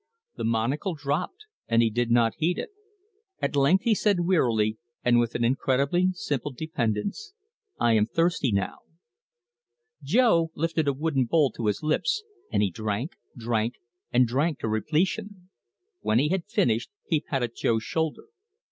The monocle dropped, and he did not heed it. At length he said wearily, and with an incredibly simple dependence: "I am thirsty now." Jo lifted a wooden bowl to his lips, and he drank, drank, drank to repletion. When he had finished he patted Jo's shoulder.